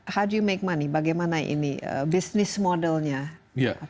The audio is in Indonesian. how do you make money bagaimana ini business modelnya